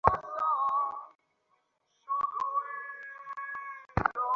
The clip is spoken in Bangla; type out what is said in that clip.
উপার্জন না করিলে কেহ কিছু পাইতে পারে না।